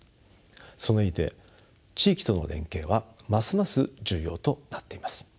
その意味で地域との連携はますます重要となっています。